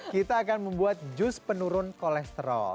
kita akan membuat jus penurun kolesterol